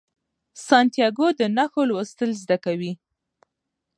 سانتیاګو د نښو لوستل زده کوي.